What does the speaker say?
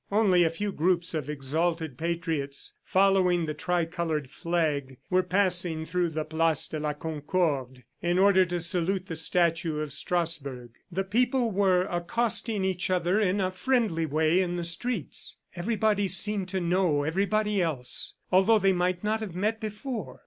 Only a few groups of exalted patriots, following the tricolored flag, were passing through the place de la Concorde, in order to salute the statue of Strasbourg. The people were accosting each other in a friendly way in the streets. Everybody seemed to know everybody else, although they might not have met before.